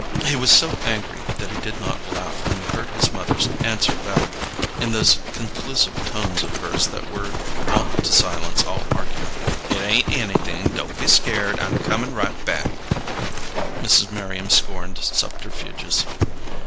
He was so angry that he did not laugh when he heard his mother answer back, in those conclusive tones of hers that were wont to silence all argument: "It ain't anything. Don't be scared. I'm coming right back." Mrs. Merriam scorned subterfuges.